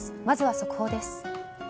まずは速報です。